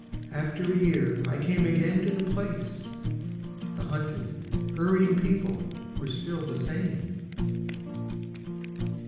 After a year I came again to the place The hunted hurrying people were still the same....